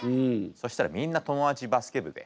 そしたらみんな友達バスケ部で。